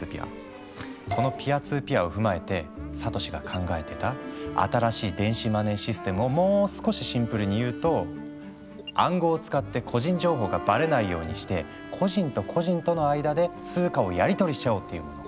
このＰ２Ｐを踏まえてサトシが考えてた「新しい電子マネーシステム」をもう少しシンプルに言うと「暗号を使って個人情報がばれないようにして個人と個人との間で通貨をやりとりしちゃおう」っていうもの。